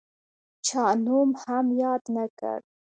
چا نوم هم یاد نه کړ.